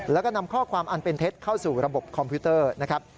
แล้วก็นำข้อความอันเป็นเท็จเข้าสู่ระบบคอมพิวเตอร์นะครับ